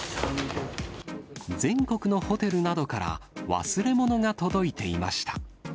全国のホテルなどから、忘れ物が届いていました。